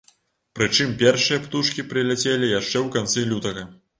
Прычым першыя птушкі прыляцелі яшчэ ў канцы лютага.